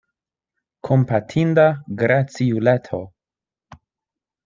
Kompatinda graciuleto!